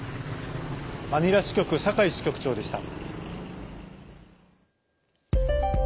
マニラ支局、酒井支局長でした。